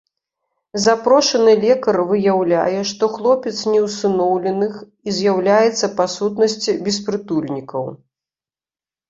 Запрошаны лекар выяўляе, што хлопец не усыноўленых і з'яўляецца па сутнасці беспрытульнікаў.